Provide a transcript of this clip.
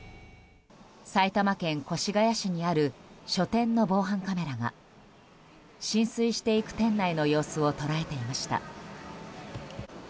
埼玉県越谷市にある書店の防犯カメラが浸水していく店内の様子を捉えていました。